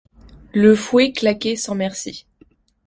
Le fouet claquait sans merci.